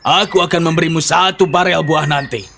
aku akan memberimu satu barel buah nanti